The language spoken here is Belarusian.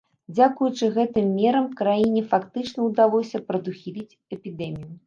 Дзякуючы гэтым мерам краіне фактычна ўдалося прадухіліць эпідэмію.